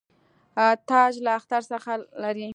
تاج له اختر څخه لري.